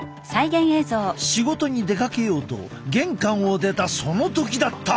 仕事に出かけようと玄関を出たその時だった。